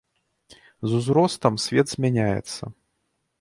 З узростам свет змяняецца.